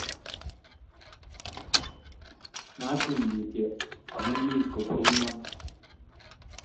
Matinyi Mutyo amu mi koguriin mama